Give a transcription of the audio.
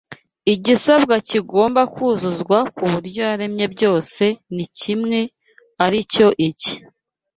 Igisabwa kigomba kuzuzwa kubyo yaremye byose ni kimwe ari cyo iki